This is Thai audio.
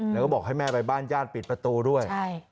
แล้วก็บอกให้แม่ไปบ้านญาติปิดประตูด้วย